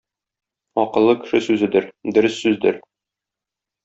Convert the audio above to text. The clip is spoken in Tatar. Акыллы кеше сүзедер, дөрес сүздер.